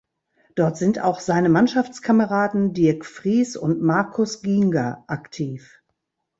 Dort sind auch seine Mannschaftskameraden Dirk Fries und Markus Gienger aktiv.